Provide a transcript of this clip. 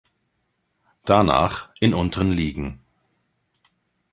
Danach in unteren Ligen.